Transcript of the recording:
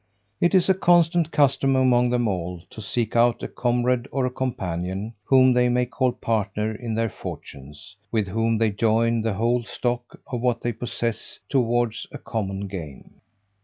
It is a constant custom among them all, to seek out a comrade or companion, whom we may call partner in their fortunes, with whom they join the whole stock of what they possess towards a common gain.